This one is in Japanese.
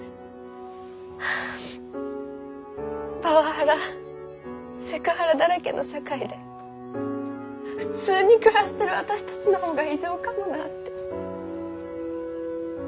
・パワハラセクハラだらけの社会で普通に暮らしてる私たちの方が異常かもなって。